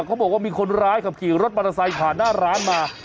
เขาบอกว่ามีคนร้ายขับขี่รถมอเตอร์ไซค์ผ่านหน้าร้านมา